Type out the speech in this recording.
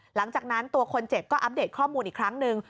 หลังจากนั้นตัวคนเจ็บก็อัปเดตข้อมูลอีกครั้งหนึ่ง